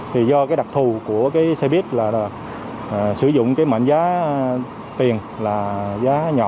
thì do cái đặc thù của cái xe buýt là sử dụng cái mệnh giá tiền là giá nhỏ